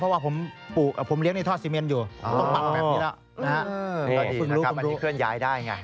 สวัสดีครับมีเคลื่อนย้ายได้ไง